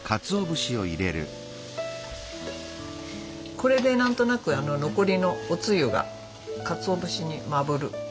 これで何となく残りのおつゆがかつお節にまぶる。